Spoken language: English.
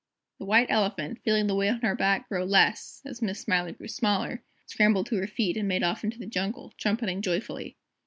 The White Elephant, feeling the weight on her back grow less as Miss Smiler grew smaller scrambled to her feet, and made off into the jungle, trumpeting joyfully.